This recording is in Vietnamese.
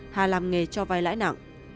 hà làm nghề cho vai lãi nặng